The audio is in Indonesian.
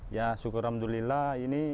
ya syukur alhamdulillah